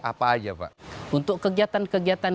apa aja pak untuk kegiatan kegiatan